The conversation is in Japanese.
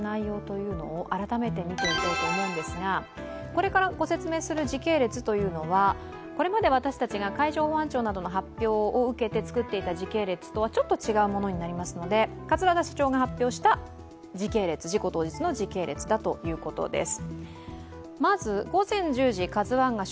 これから御説明する時系列というのは、これまで私たちが海上保安庁などの発表を受けて作っていた時系列とはちょっと違うものになりますので、桂田社長が発表した事故当日の時系列だということです。